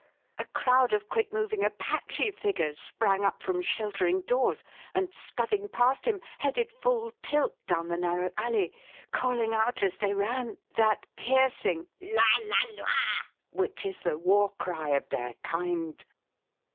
A crowd of quick moving Apache figures sprang up from sheltering doors and, scudding past him, headed full tilt down the narrow alley, calling out as they ran that piercing "La, la, loi!" which is the war cry of their kind.